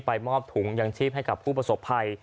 มอบถุงยังชีพให้กับผู้ประสบภัย